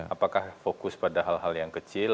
apakah fokus pada hal hal yang kecil